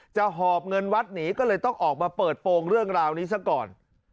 หอบเงินวัดหนีก็เลยต้องออกมาเปิดโปรงเรื่องราวนี้ซะก่อน